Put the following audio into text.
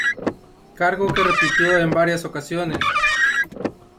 Cargo que repitió en varias ocasiones.